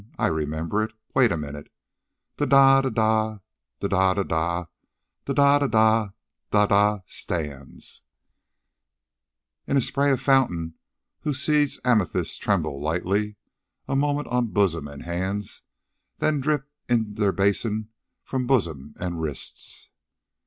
"I remember it. Wait a minute.... Da da dah, da da dah, da da dah, da da STANDS "'In the spray of a fountain, whose seed amethysts Tremble lightly a moment on bosom and hands, Then drip in their basin from bosom and wrists.'